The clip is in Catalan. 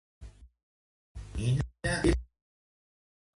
La tonyina és cara.